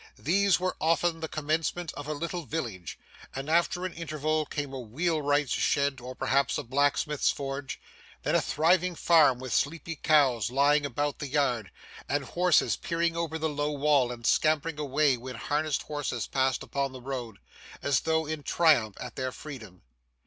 These were often the commencement of a little village: and after an interval came a wheelwright's shed or perhaps a blacksmith's forge; then a thriving farm with sleepy cows lying about the yard, and horses peering over the low wall and scampering away when harnessed horses passed upon the road, as though in triumph at their freedom.